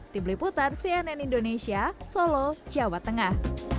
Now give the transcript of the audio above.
dibeliputan cnn indonesia solo jawa tengah